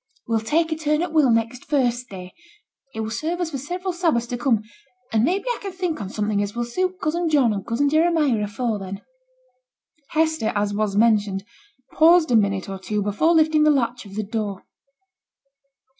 We'll take a turn at t' will next First Day; it will serve us for several Sabbaths to come, and maybe I can think on something as will suit cousin John and cousin Jeremiah afore then.' Hester, as was mentioned, paused a minute or two before lifting the latch of the door.